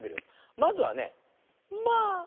まずはね「まあ！」。